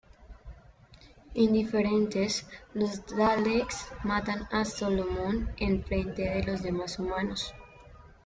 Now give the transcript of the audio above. Indiferentes, los Daleks matan a Solomon en frente de los demás humanos.